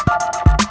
kau mau kemana